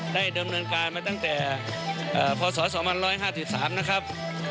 ได้ดำเนินการมาตั้งแต่พศ๒๕๓นะครับ